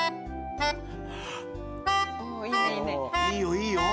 いいよいいよ！